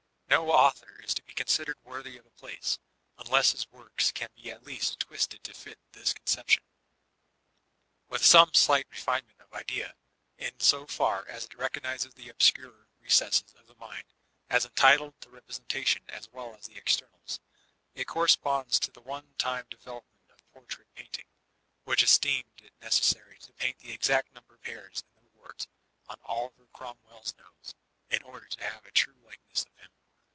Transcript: No author is to be considered worthy of a place, unless hb works can be at least twisted to fit this conception. With some slight refinement of idea, in so far as it recognizes the obscurer recesses of the mind as entitled to represen tation as well as the externals, it corresponds to the one time development of portrait painting, which esteemed it necessary to paint the exact number of hairs in the wart on Oliver Cromwell's nose, in order to have a true like ness of him.